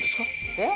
えっ？